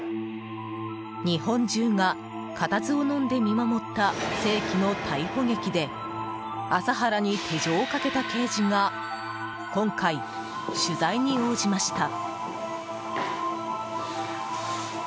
日本中が固唾をのんで見守った世紀の逮捕劇で麻原に手錠をかけた刑事が今回、取材に応じました。